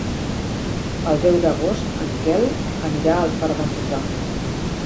El deu d'agost en Quel anirà al Far d'Empordà.